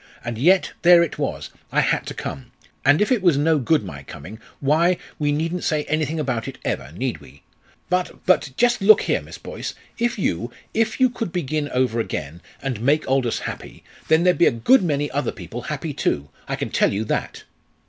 And yet, there it was I had to come. And if it was no good my coming, why, we needn't say anything about it ever, need we? But but just look here, Miss Boyce; if you if you could begin over again, and make Aldous happy, then there'd be a good many other people happy too I can tell you that."